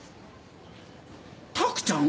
卓ちゃん？